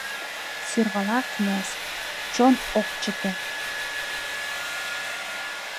Сӧрвала князь: «Чон ок чыте